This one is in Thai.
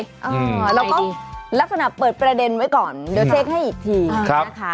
เราก็ลักษณะเปิดประเด็นไว้ก่อนเดี๋ยวเช็คให้อีกทีนะคะ